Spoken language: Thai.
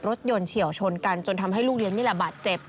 เฉียวชนกันจนทำให้ลูกเลี้ยงนี่แหละบาดเจ็บ